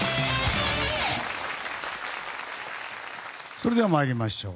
それでは参りましょう。